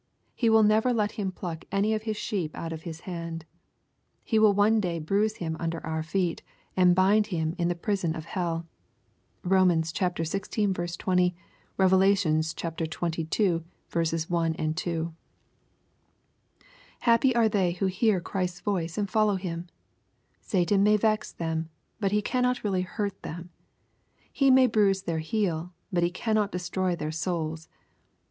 He will never let him pluck any of His sheep out of His hand. He will one day bruise him under our feet, and bind him in the prison of hell. (Rom. xvi. 20 ; Rev. xx. 1, 2.) Happy are they who hear Christ's voice and follow Him ! Satan may vex them, but he cannot really hurt them ! He may bruise their heel, but he cannot destroy their souls.